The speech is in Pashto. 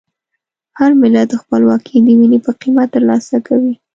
هر ملت خپلواکي د وینې په قیمت ترلاسه کوي.